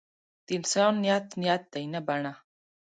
د انسان نیت نیت دی نه بڼه.